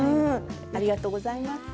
ありがとうございます。